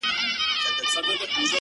• څه یې مسجد دی څه یې آذان دی،